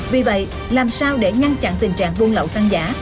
vì vậy làm sao để ngăn chặn tình trạng buôn lậu xăng giả